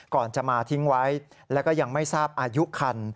ก่อนจะมาทิ้งไว้แล้วก็ยังไม่ทราบอายุคัน